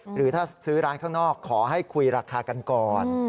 หรือถ้าซื้อร้านข้างนอกขอให้คุยราคากันก่อน